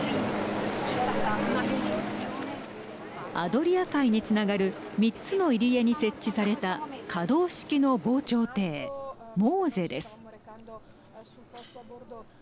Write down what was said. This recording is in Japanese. アドリア海につながる３つの入り江に設置された可動式の防潮堤ＭｏＳＥです。